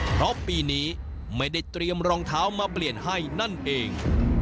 เพราะปีนี้ไม่ได้เตรียมรองเท้ามาเปลี่ยนให้นั่นเอง